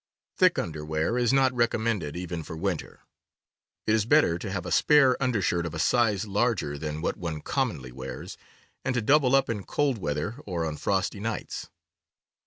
Thick underwear is not rec ommended, even for winter. It is better to have a spare undershirt of a size larger than what one commonly wears, and to double up in cold weather or on frosty nights.